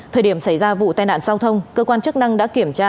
thời điểm xảy ra vụ tai nạn giao thông cơ quan chức năng đã kiểm tra